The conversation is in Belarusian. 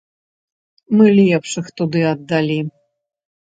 Мы лепшых туды аддалі.